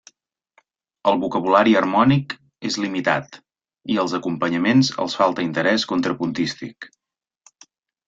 El vocabulari harmònic és limitat, i als acompanyaments els falta interès contrapuntístic.